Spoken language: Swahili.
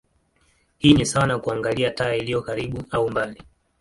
Hii ni sawa na kuangalia taa iliyo karibu au mbali.